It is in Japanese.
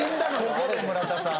ここで村田さん